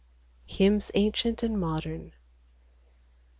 Hymns Ancient and Modern.